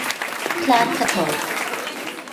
Clarke at al.